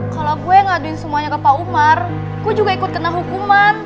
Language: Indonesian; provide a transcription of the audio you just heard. kalau gue ngaduin semuanya ke pak umar gue juga ikut kena hukuman